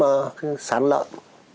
đã bị nhiễm sán lợn